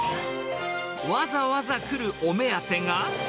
わざわざ来るお目当てが。